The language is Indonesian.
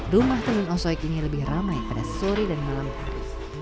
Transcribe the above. rumah tenun osoik ini lebih ramai pada sore dan malam hari